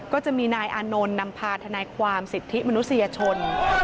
ก็จะมีนายอานนท์นำพาทนายความสิทธิมนุษยชน